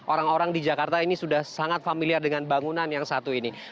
orang orang di jakarta ini sudah sangat familiar dengan bangunan yang satu ini